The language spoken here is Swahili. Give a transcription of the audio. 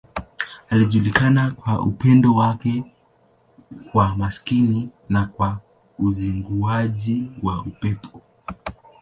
Alijulikana kwa upendo wake kwa maskini na kwa uzinguaji wa pepo.